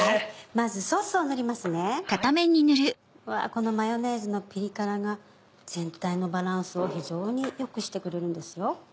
このマヨネーズのピリ辛が全体のバランスを非常に良くしてくれるんですよ。